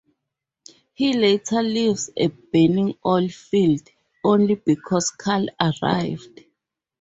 He later leaves a burning oil field, only because Carl arrived.